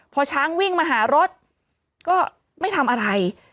พอช้างวิ่งมาหารถก็ไม่ทำอะไร